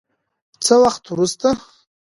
څه وخت وروسته به